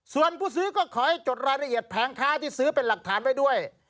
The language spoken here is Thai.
ส่วนผู้ซื้อก็ขอให้จดรายละเอียดแผงค้าที่ซื้อเป็นหลักฐานไว้ด้วย